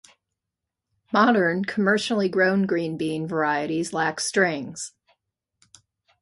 Modern, commercially grown green bean varieties lack strings.